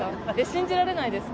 信じられないです。